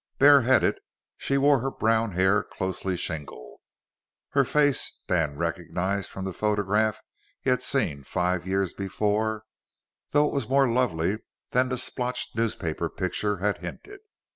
Bareheaded, she wore her brown hair closely shingled. Her face, Dan recognized from the photograph he had seen five years before, though it was more lovely than the splotched newspaper picture had hinted.